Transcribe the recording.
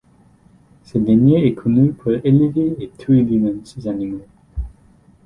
Ce dernier est connu pour élever et tuer lui-même ses animaux.